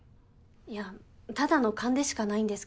いやただの勘でしかないんですけど。